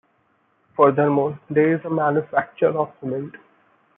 Furthermore, there is a manufacture of cement.